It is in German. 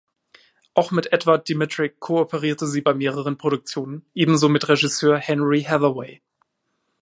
Auch mit Edward Dmytryk kooperierte sie bei mehreren Produktionen, ebenso mit Regisseur Henry Hathaway.